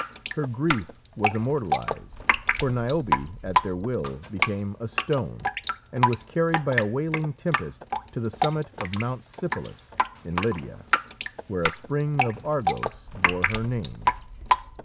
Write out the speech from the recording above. Her grief was immortalised, for Niobe, at their will, became a stone, and was carried by a wailing tempest to the summit of Mount Sipylus, in Lydia, where a spring of Argos bore her name.